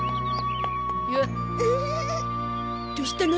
どしたの？